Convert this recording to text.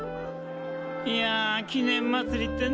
いやあ記念まつりってね